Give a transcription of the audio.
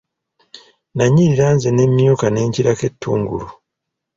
Nanyirira nze ne mmyuka ne nkirako ettungulu!